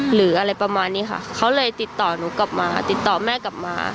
หรืออะไรประมาณนี้ค่ะเขาเลยติดต่อหนูกลับมาติดต่อแม่กลับมา